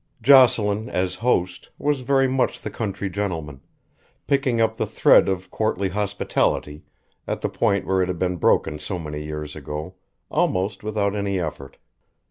Jocelyn, as host, was very much the country gentleman, picking up the thread of courtly hospitality at the point where it had been broken so many years ago, almost without any effort.